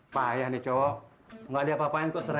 pahit cowok nggak ada apa apain kok tereha